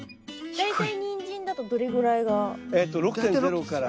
大体ニンジンだとどれぐらいが？